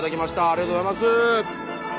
ありがとうございます！